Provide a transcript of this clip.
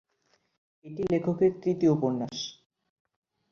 এটি লেখকের তৃতীয় উপন্যাস।